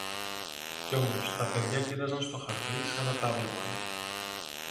Και όμως τα παιδιά κοίταζαν στο χαρτί σα να τάβλεπαν.